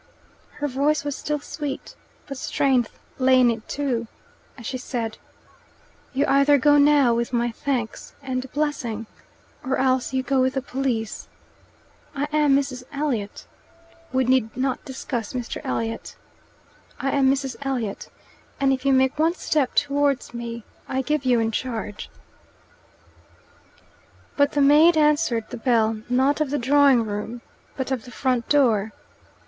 Her voice was still sweet, but strength lay in it too, as she said, "You either go now with my thanks and blessing, or else you go with the police. I am Mrs. Elliot. We need not discuss Mr. Elliot. I am Mrs. Elliot, and if you make one step towards me I give you in charge." But the maid answered the bell not of the drawing room, but of the front door.